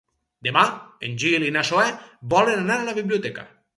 Demà en Gil i na Zoè volen anar a la biblioteca.